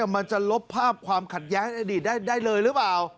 มันจะลบภาพความขัดแย้งอดีตได้เลยหรือเปล่า